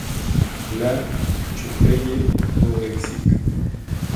La Chapelle-Bouëxic